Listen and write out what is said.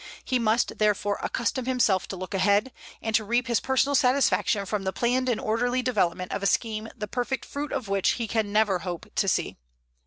He must, therefore, accustom himself to look ahead, and to reap his personal satisfaction from the planned and orderly development of a scheme the perfect fruit of which he can never hope to see.